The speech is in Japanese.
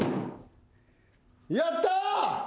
やった！